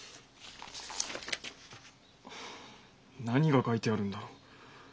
何が書いてあるんだろう。